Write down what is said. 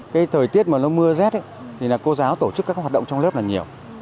cái thời tiết mà nó mưa rét thì là cô giáo tổ chức các hoạt động trong lớp là nhiều